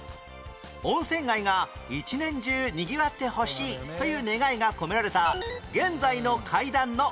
温泉街が一年中にぎわってほしいという願いが込められた現在の階段の段数は？